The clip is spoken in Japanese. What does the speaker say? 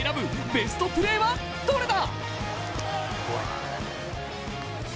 ベストプレーはどれだ？